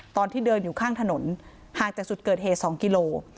ตอนที่เดินอยู่ข้างถนนห่างจากจุดเกิดเหตุ๒กิโล